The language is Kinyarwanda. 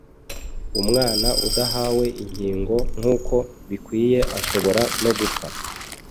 Umwana udahawe inkingo nk’uko bikwiye ashobora no gupfa.